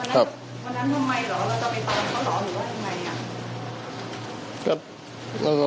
กับโบนี่รักไหม